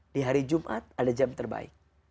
di hari jumat ada jam terbaik